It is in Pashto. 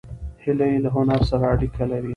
هیلۍ له هنر سره اړیکه لري